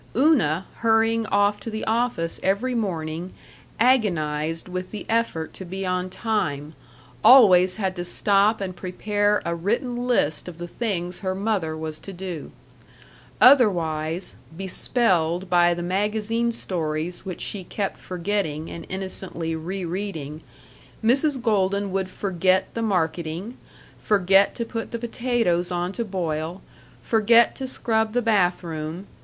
Una, hurrying off to the office every morning, agonized with the effort to be on time, always had to stop and prepare a written list of the things her mother was to do. Otherwise, bespelled by the magazine stories which she kept forgetting and innocently rereading, Mrs. Golden would forget the marketing, forget to put the potatoes on to boil, forget to scrub the bathroom....